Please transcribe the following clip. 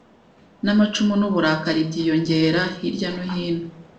namacumu nuburakari byiyongera Hirya no hino